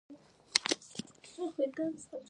کابل د افغانستان د زرغونتیا نښه ده.